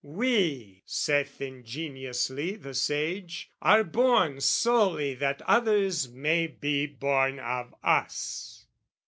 "We," saith ingeniously the sage, "are born "Solely that others may be born of us."